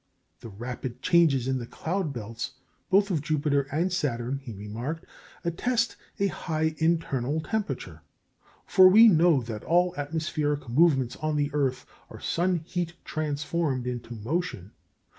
The rapid changes in the cloud belts both of Jupiter and Saturn, he remarked, attest a high internal temperature. For we know that all atmospheric movements on the earth are sun heat transformed into motion.